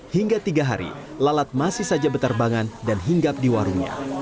hingga tiga hari lalat masih saja berterbangan dan hinggap di warungnya